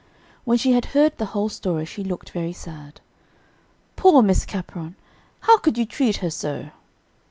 When she had heard the whole story, she looked very sad: "Poor Miss Capron! How could you treat her so!"